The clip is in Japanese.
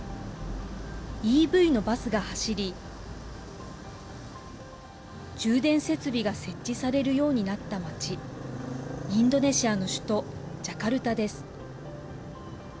ＥＶのバスが走り、充電設備が設置されるようになった街、インドネシアの首都ジャカルタです。